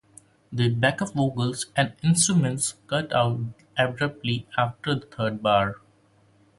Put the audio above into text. The backup vocals and instrumentation cut out abruptly after the third bar.